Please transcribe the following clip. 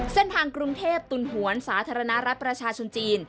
เส้นทางกรุงเทพตุลหวนสาธารณรัฐประชาชนจีน